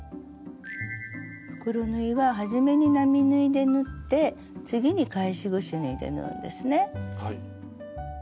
袋縫いははじめに並縫いで縫って次に返しぐし縫いで縫うんですね。